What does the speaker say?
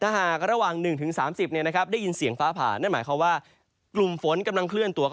ถ้าหากระหว่าง๑๓๐ได้ยินเสียงฟ้าผ่านั้นหมายความว่า